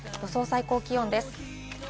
予想最高気温です。